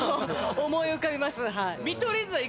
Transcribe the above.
思い浮かびますはい。